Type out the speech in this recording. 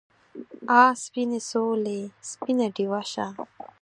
آ سپینې سولې سپینه ډیوه شه